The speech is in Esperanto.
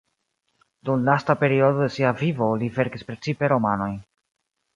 Dum lasta periodo de sia vivo li verkis precipe romanojn.